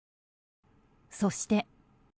そして。